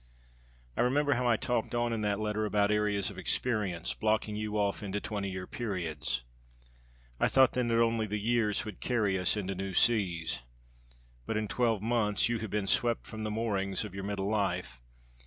I remember how I talked on in that letter about areas of experience, blocking you off into twenty year periods! I thought then that only the years would carry us into new seas. But in twelve months you have been swept from the moorings of your middle life.